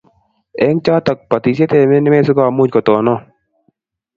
Eng chotok batishet eng' emet si komuch kotonon